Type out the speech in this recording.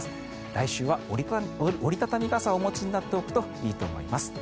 来週は折り畳み傘をお持ちになっておくといいと思います。